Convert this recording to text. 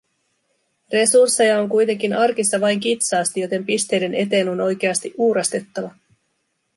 Resursseja on kuitenkin arkissa vain kitsaasti, joten pisteiden eteen on oikeasti uurastettava.